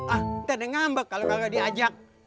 ah tadeng ngambek kalo kagak diajak